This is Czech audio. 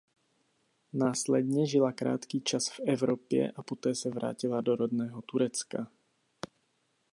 Následně žila krátký čas v Evropě a poté se vrátila do rodného Turecka.